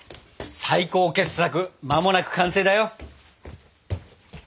最高傑作間もなく完成だよ。